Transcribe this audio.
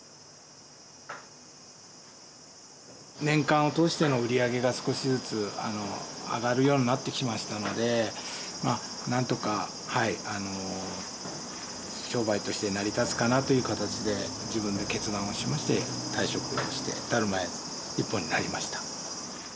年間を通しての売り上げが少しずつ上がるようになってきましたのでまあなんとかはいあの商売として成り立つかなという形で自分で決断をしまして退職をしてだるま屋一本になりました。